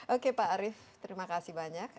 oke pak arief terima kasih banyak